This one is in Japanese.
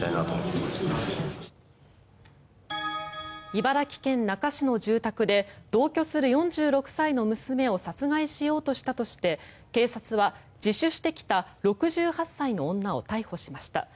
茨城県那珂市の住宅で同居する４６歳の娘を殺害しようとしたとして警察は自首してきた６８歳の女を逮捕しました。